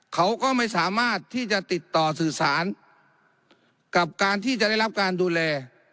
เขาก็ไม่สามารถที่จะติดต่อสื่อสารกับการที่จะได้รับการดูแล